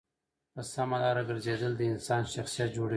په سمه لاره گرځېدل د انسان شخصیت جوړوي.